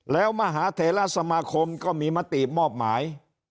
แล้วมหาเทราสมาคมก็มีมติมอบหมาย